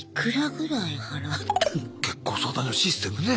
結婚相談所のシステムね。